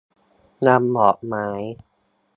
นำดอกไม้